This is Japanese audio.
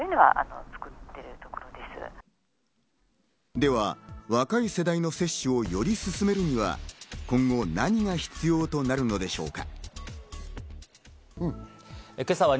では若い世代の接種をより進めるには、今後、何が必要となるのでしょうか？